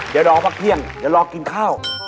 อย่ารอพักเที่ยงอย่ารอกกินข้าวอ้าวอุ๊ย